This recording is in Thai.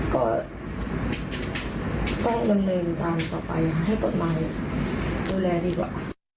ก็ต้องดำเนินการต่อไปให้กฎหมายดูแลดีกว่า